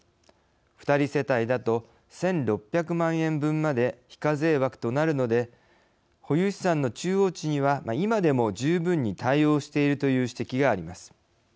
２人世帯だと１６００万円分まで非課税枠となるので保有資産の中央値には今でも十分に対応しているという指摘があります。